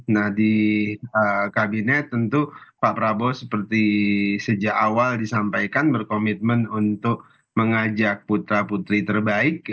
nah di kabinet tentu pak prabowo seperti sejak awal disampaikan berkomitmen untuk mengajak putra putri terbaik